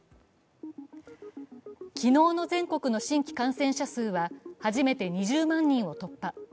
昨日の全国の新規感染者数は初めて２０万人を突破。